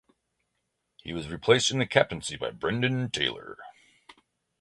He was replaced in the captaincy by Brendan Taylor.